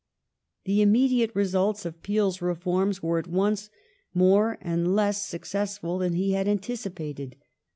The immediate results of Peel's reforms were at once more and less successful than he had anticipated.